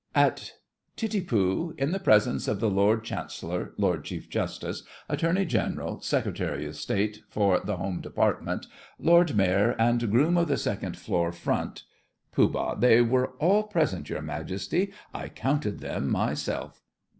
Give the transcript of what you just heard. "At Titipu, in the presence of the Lord Chancellor, Lord Chief Justice, Attorney General, Secretary of State for the Home Department, Lord Mayor, and Groom of the Second Floor Front——" POOH. They were all present, your Majesty. I counted them myself.